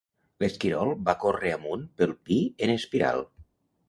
L'esquirol va córrer amunt pel pi en espiral.